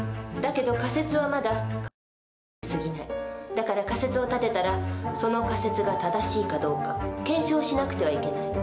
だから仮説を立てたらその仮説が正しいかどうか検証しなくてはいけないの。